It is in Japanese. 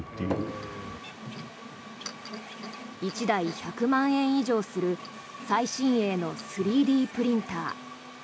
１台１００万円以上する最新鋭の３Ｄプリンター。